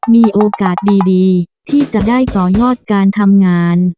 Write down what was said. มีโอกาสดีที่จะได้ต่อยอดการทำงาน